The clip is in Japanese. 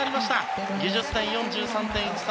技術点４８．１３